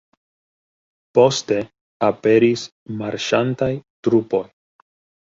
Poste aperis marŝantaj trupoj.